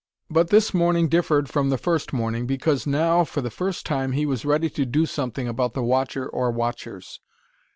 But this morning differed from the first morning, because now, for the first time, he was ready to do something about the watcher or watchers.